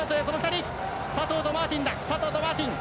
佐藤とマーティンだ。